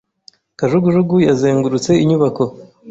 Kajugujugu yazengurutse inyubako.